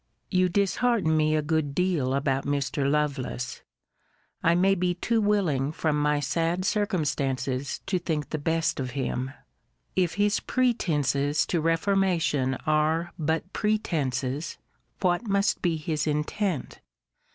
You dishearten me a good deal about Mr. Lovelace. I may be too willing from my sad circumstances to think the best of him. If his pretences to reformation are but pretences, what must be his intent?